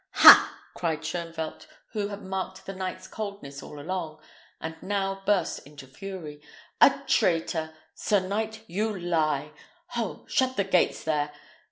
"Ha!" cried Shoenvelt, who had marked the knight's coldness all along, and now burst into fury. "A traitor! Sir knight, you lie! Ho! shut the gates there!